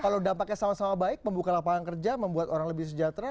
kalau dampaknya sama sama baik membuka lapangan kerja membuat orang lebih sejahtera